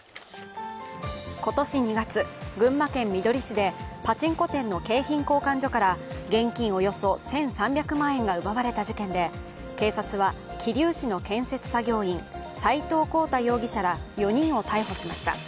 今年２月、群馬県みどり市でパチンコ店の景品交換所から現金およそ１３００万円が奪われた事件で警察は桐生市の建設作業員、斎藤綱太容疑者ら４人を逮捕しました。